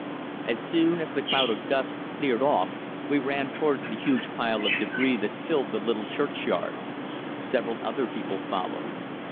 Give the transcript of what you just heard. "As soon as the cloud of dust cleared off we ran towards the huge pile of débris that filled the little churchyard. Several other people followed.